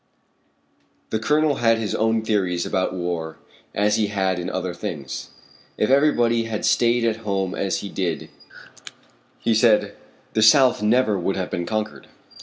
The Colonel had his own theories about war as he had in other things. If everybody had stayed at home as he did, he said, the South never would have been conquered.